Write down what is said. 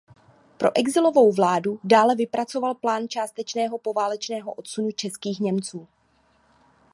Pro exilovou vládu dále vypracoval plán částečného poválečného odsunu českých Němců.